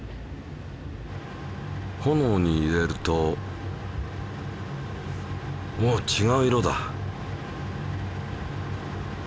炎に入れるとおっちがう色だ！